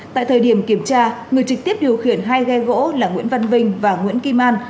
tại thời điểm kiểm tra người trực tiếp điều khiển hai ghe gỗ là nguyễn văn vinh và nguyễn kim an